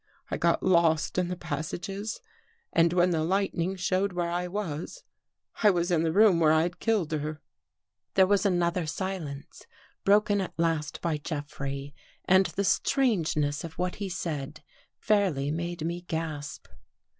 I got lost in the pas sages. And when the lightning showed where I was, I was in the room where I had killed her." There was another silence, broken at last by Jeff rey and the strangeness of what he said, fairly made me gasp.